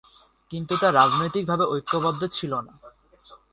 কিন্তু তা রাজনৈতিকভাবে ঐক্যবদ্ধ ছিল না।